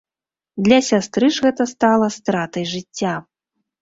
Для сястры ж гэта стала стратай жыцця.